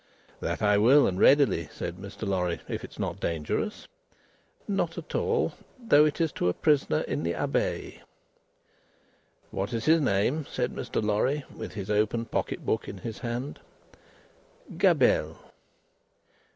"That I will, and readily," said Mr. Lorry, "if it is not dangerous." "Not at all. Though it is to a prisoner in the Abbaye." "What is his name?" said Mr. Lorry, with his open pocket book in his hand. "Gabelle."